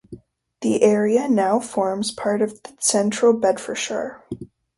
The area now forms part of Central Bedfordshire.